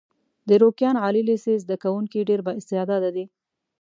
د روکيان عالي لیسې زده کوونکي ډېر با استعداده دي.